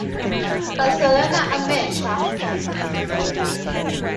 Barcelona Amateur